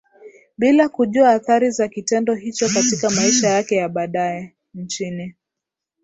bila kujua athari za kitendo hicho katika maisha yake ya baadaye Nchini